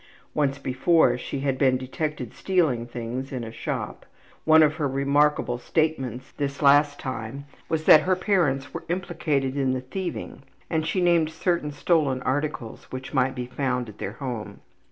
Once before she had been detected stealing things in a shop. One of her remarkable statements this last time was that her parents were implicated in the thieving and she named certain stolen articles which might be found at their home.